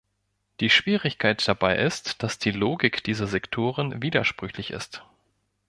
Die Schwierigkeit dabei ist, dass die Logik dieser Sektoren widersprüchlich ist.